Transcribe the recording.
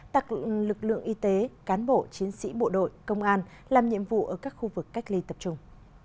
tặng lực lượng y tế cán bộ chiến sĩ bộ đội công an làm nhiệm vụ ở các khu vực cách ly tập trung